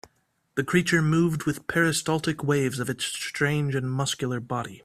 The creature moved with peristaltic waves of its strange and muscular body.